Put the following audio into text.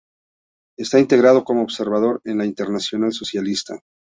Está integrado como observador en la Internacional Socialista.